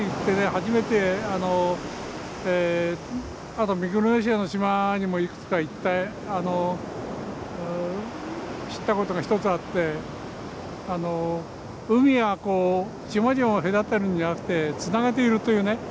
初めてあのあとミクロネシアの島にもいくつか行って知ったことが１つあって海はこう島々を隔てるんじゃなくてつなげているというね